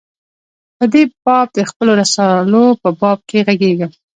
په دې باب د خپلو رسالو په باب نه ږغېږم.